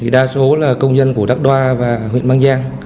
đa số là công dân của đắk loa và huyện măng giang